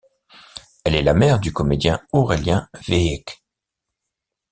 Elle est la mère du comédien Aurélien Wiik.